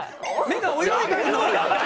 目が泳いでるの？